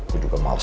gua juga males